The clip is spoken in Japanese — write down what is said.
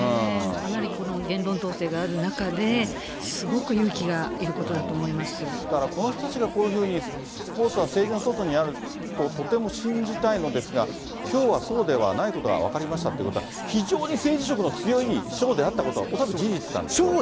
かなりこの言論統制がある中で、すごく勇気がいることだと思いまだから、この人たちがこういうふうにスポーツは政治の外にあるととても信じたいのですが、きょうはそうではないことは分かりましたということは、非常に政治色の強いショーであったことは恐らく事実なんでしょう。